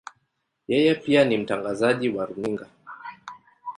Yeye pia ni mtangazaji wa runinga.